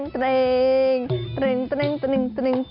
ปีภาษ